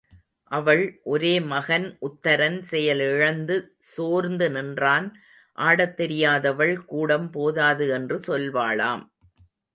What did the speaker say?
அவள் ஒரே மகன் உத்தரன் செயலிழந்து சோர்ந்து நின்றான் ஆடத்தெரியாதவள் கூடம் போதாது என்று சொல்வாளாம்.